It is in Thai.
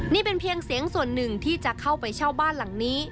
นี่เป็นเพียงเสียงส่วนหนึ่งที่จะเข้าไปเช่าบ้านหลังนี้